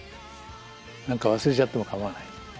何か忘れちゃっても構わない。